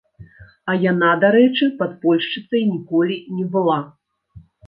А яна, дарэчы, падпольшчыцай ніколі не была!